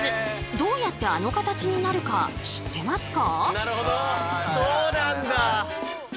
どうやってあの形になるか知ってますか？